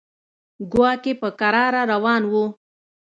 کواګې په کراره روان و.